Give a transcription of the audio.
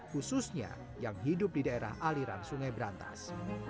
khususnya yang hidup di daerah aliran sungai berantas